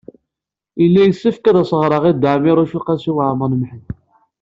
Yella yessefk ad as-ɣreɣ i Dda Ɛmiiruc u Qasi Waɛmer n Ḥmed.